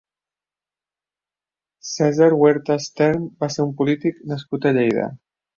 César Huerta Stern va ser un polític nascut a Lleida.